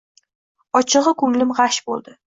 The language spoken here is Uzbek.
Ochigʻi koʻnglim gʻash boʻldi